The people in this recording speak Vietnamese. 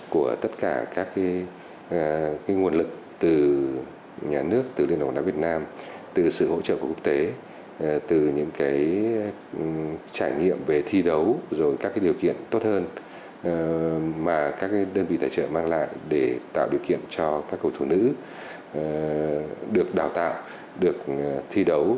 cho các cầu thủ nữ được đào tạo được thi đấu